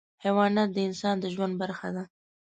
حیوانات د انسان د ژوند برخه دي.